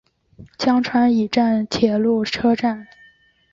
江川崎站的铁路车站。